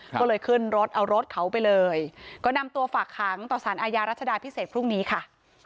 ก็เลยขึ้นรถเอารถเขาไปเลยก็นำตัวฝากขังต่อสารอาญารัชดาพิเศษพรุ่งนี้ค่ะ